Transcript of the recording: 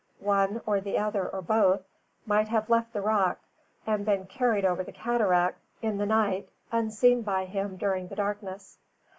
One or the other, or both, might have left the rock and been carried over the cataract in the night, unseen by him during the darkness.